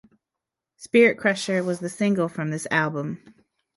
"Spirit Crusher" was the single from this album.